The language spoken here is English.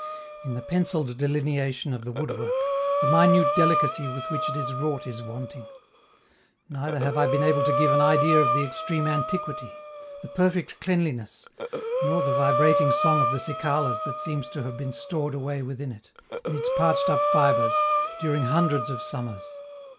In the pencilled delineation of the woodwork, the minute delicacy with which it is wrought is wanting; neither have I been able to give an idea of the extreme antiquity, the perfect cleanliness, nor the vibrating song of the cicalas that seems to have been stored away within it, in its parched up fibres, during hundreds of summers.